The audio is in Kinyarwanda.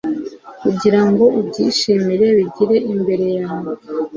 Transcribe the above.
Kugira ngo ubyishimire bigire imbere yawe